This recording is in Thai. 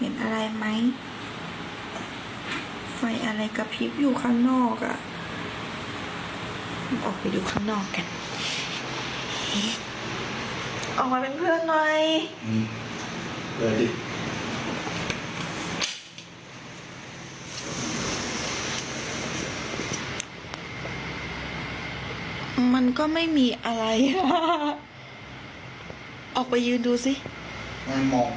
ถ้าเข้ากันปกเติมห้ามก็มีแสงที่จะมีตัวจ้าง